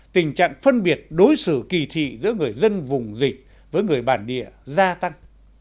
tình trạng phân biệt đối xử kỳ thị giữa người dân vùng dịch với người bản địa gia tăng